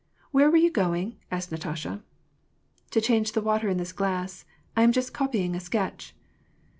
'^ Where were you going ?" asked Natasha. '^ To change the water in this glass. I am just copying a sketch."